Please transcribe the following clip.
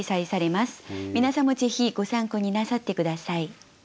皆さんもぜひご参考になさって下さい。